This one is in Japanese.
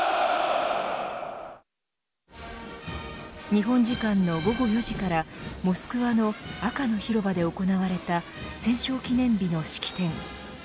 日本時間の午後４時からモスクワの赤の広場で行われた戦勝記念日の式典。